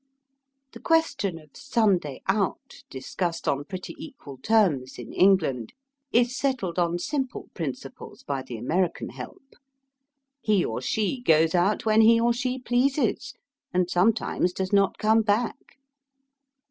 The question of '' Sunday out," discussed on pretty equal terms in England, is settled on simple principles by the American help. He or she goes out when he or she pleases, and sometimes does not come back.